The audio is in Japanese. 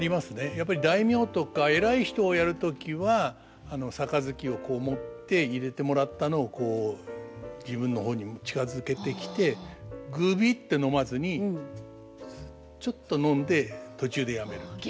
やっぱり大名とか偉い人をやる時は杯をこう持って入れてもらったのをこう自分の方に近づけてきてぐびって飲まずにちょっと飲んで途中でやめるっていう。